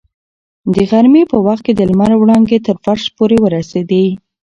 د غرمې په وخت کې د لمر وړانګې تر فرش پورې ورسېدې.